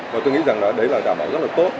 và tôi nghĩ rằng là đấy là đảm bảo rất là tốt